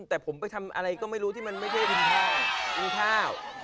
แต่ผมไปทำอะไรก็ไม่รู้ที่ไม่ได้อิ่มข้าว